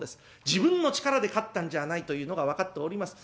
自分の力で勝ったんじゃないというのが分かっております。